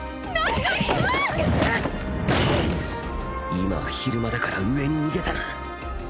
今は昼間だから上に逃げたな